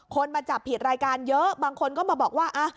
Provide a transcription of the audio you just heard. มาจับผิดรายการเยอะบางคนก็มาบอกว่า